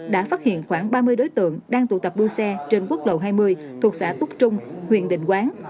đã phát hiện khoảng ba mươi đối tượng đang tụ tập đua xe trên quốc lộ hai mươi thuộc xã túc trung huyện định quán